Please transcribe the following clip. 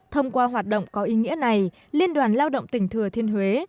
thông qua hoạt động có ý nghĩa này liên đoàn lao động tỉnh thừa thiên huế